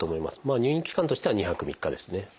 まあ入院期間としては２泊３日ですね。